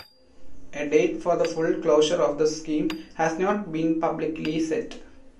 A date for the full closure of the scheme has not been publicly set.